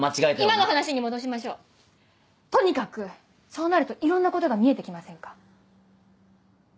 今の話に戻しましょうとにかくそうなるといろんなことが見えてきませんか？